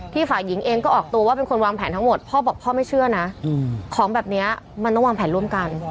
พ่อบอกว่าพ่อไม่เชื่อนะของแบบนี้มันต้องวางแผนร่วมกัน